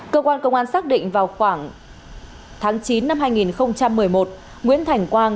cơ quan công an xác định vào khoảng tháng chín năm hai nghìn một mươi một nguyễn thành quang